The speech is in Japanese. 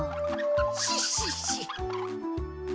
シッシッシ。